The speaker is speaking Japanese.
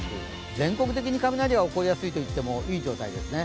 全国的に雷が起こりやすいと言ってもいい天気ですね。